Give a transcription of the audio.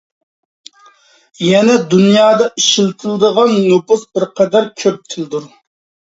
يەنە دۇنيادا ئىشلىتىدىغان نوپۇس بىرقەدەر كۆپ تىلدۇر.